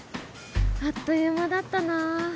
あっという間だったな。